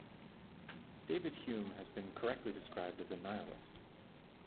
David Hume has been correctly described as a nihilist.